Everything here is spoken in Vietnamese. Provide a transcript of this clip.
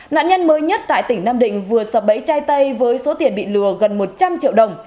nạn nhân mới nhất tại tỉnh nam định vừa sập bẫy trai tây với số tiền bị lừa gần một trăm linh triệu đồng